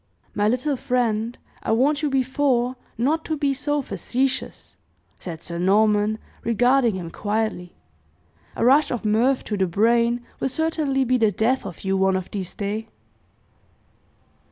"My little friend I warned you before not to be so facetious," said Sir Norman, regarding him quietly; "a rush of mirth to the brain will certainly be the death of you one of these day."